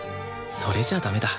それじゃあダメだ。